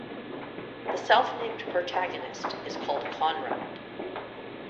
The self-named protagonist is called Konrad.